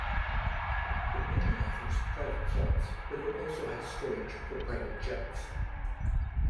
It mainly offers private flights, but it also has storage for private jets.